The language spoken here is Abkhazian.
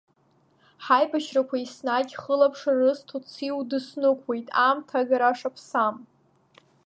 Ҳаибашьрақәа еснагьы хылаԥшра рызҭо Циу дыснықәуеит аамҭа агара шаԥсам!